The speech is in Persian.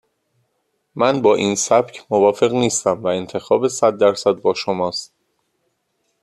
من با این سبک موافق نیستم و انتخاب صد در صد با شماست.